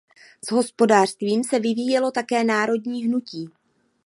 S hospodářstvím se vyvíjelo také národní hnutí.